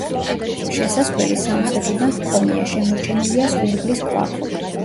შესასვლელი სამხრეთიდან ჰქონია, შემორჩენილია ზღურბლის ქვა.